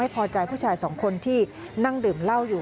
พอใจผู้ชายสองคนที่นั่งดื่มเหล้าอยู่